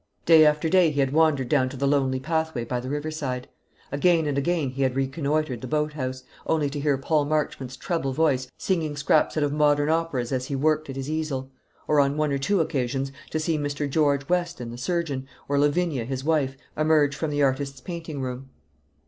Day after day he had wandered down to the lonely pathway by the river side; again and again he had reconnoitered the boat house, only to hear Paul Marchmont's treble voice singing scraps out of modern operas as he worked at his easel; or on one or two occasions to see Mr. George Weston, the surgeon, or Lavinia his wife, emerge from the artist's painting room.